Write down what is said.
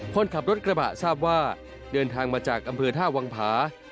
คนขับรถกระบะทราบว่า